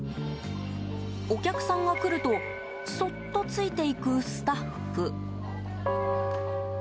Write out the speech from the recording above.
お客さんが来るとそっとついて行くスタッフ。